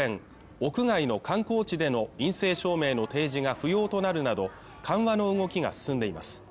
屋外の観光地での陰性証明の提示が不要となるなど緩和の動きが進んでいます